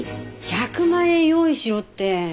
１００万円用意しろって。